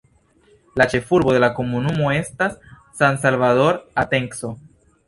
La ĉefurbo de la komunumo estas San Salvador Atenco.